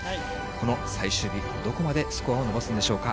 この最終日、どこまでスコアを伸ばすんでしょうか。